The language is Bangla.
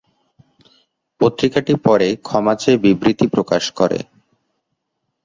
পত্রিকাটি পরে ক্ষমা চেয়ে বিবৃতি প্রকাশ করে।